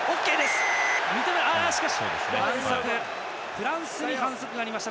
フランスに反則がありました。